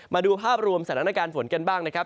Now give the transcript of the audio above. มาดูภาพรวมสถานการณ์ฝนกันบ้างนะครับ